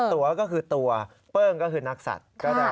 ตัวก็คือตัวเปิ้งก็คือนักสัตว์